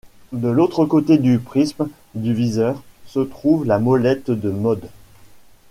De l'autre côté du prisme du viseur se trouve la molette de modes.